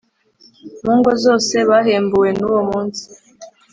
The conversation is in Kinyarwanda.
mu ngo zose bahembuwe nuwo munsi